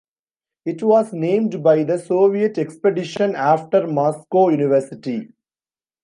It was named by the Soviet expedition after Moscow University.